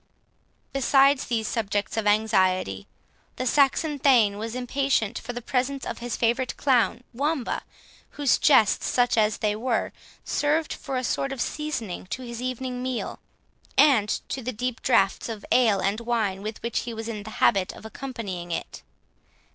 Besides these subjects of anxiety, the Saxon thane was impatient for the presence of his favourite clown Wamba, whose jests, such as they were, served for a sort of seasoning to his evening meal, and to the deep draughts of ale and wine with which he was in the habit of accompanying it.